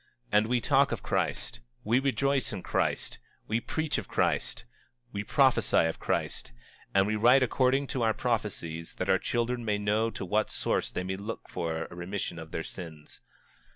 25:26 And we talk of Christ, we rejoice in Christ, we preach of Christ, we prophesy of Christ, and we write according to our prophecies, that our children may know to what source they may look for a remission of their sins.